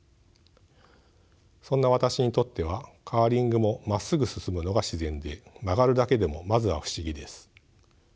そんな私にとってはカーリングもまっすぐ進むのが自然で曲がるだけでもまずは不思議です。